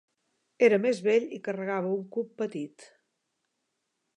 Era més vell i carregava un cub petit.